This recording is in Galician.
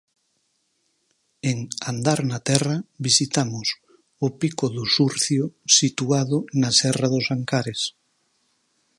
En Andar na Terra visitamos O Pico do Surcio situado na Serra dos Ancares.